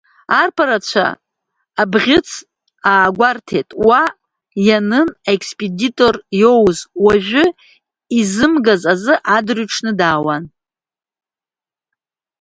Арԥарцәа абӷьыц аагәарҭеит, уа ианын аекспедитор иоуз, уажәы изымгаз азы, адырҩаҽны даауан.